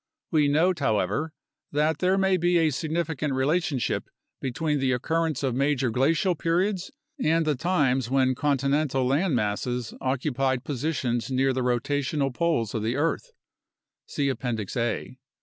We note, however, that there may be a significant relationship between the occurrence of major glacial periods and the times when continental land masses occupied 16 UNDERSTANDING CLIMATIC CHANGE positions near the rotational poles of the earth (see Appendix A).